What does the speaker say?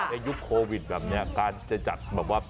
ยุคโควิดแบบนี้การจะจัดแบบว่า